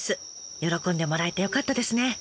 喜んでもらえてよかったですね。